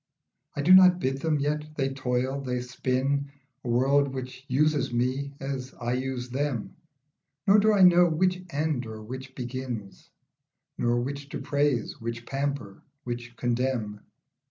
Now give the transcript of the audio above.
I do not bid them, yet they toil, they spin ; A world which uses me as I use them, Nor do I know which end or which begin, Nor which to praise, which pamper, which condemn.